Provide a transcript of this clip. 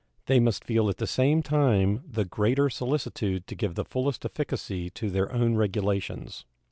They must feel at the same time the greater solicitude to give the fullest efficacy to their own regulations.